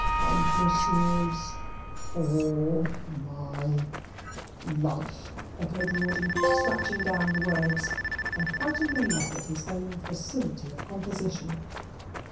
"Kindnesses all my life," echoed Rawdon, scratching down the words, and quite amazed at his own facility of composition.